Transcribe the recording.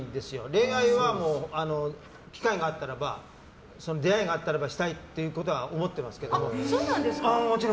恋愛は機会があったらば出会いがあったらばしたいっていうことは思ってますけども。